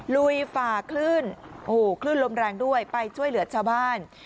ลุยฝ่าคลื่นโอ้โหคลื่นลมแรงด้วยไปช่วยเหลือชาวบ้าน